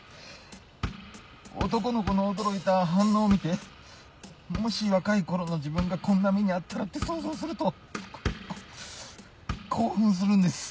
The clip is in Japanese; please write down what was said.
男の子の驚いた反応を見てもし若い頃の自分がこんな目に遭ったらって想像するとこ興奮するんです。